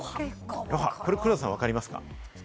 黒田さん、分かりますか？